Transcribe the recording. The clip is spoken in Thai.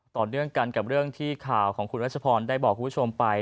ต่อเนื่องกันกับเรื่องที่ข่าวของคุณรัชพรได้บอกคุณผู้ชมไป